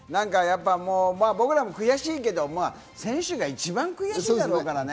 僕らも悔しいけど、選手が一番悔しいだろうからね。